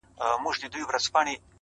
آسمانه ما خو داسي نه ویله-